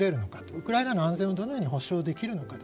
ウクライナの安全をいかに保障できるのかと。